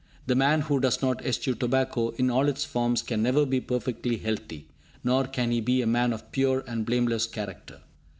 The man who does not eschew tobacco in all its forms can never be perfectly healthy, nor can he be a man of pure and blameless character.